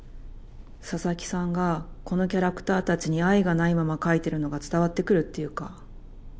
佐々木さんがこのキャラクターたちに愛がないまま描いてるのが伝わってくるっていうか。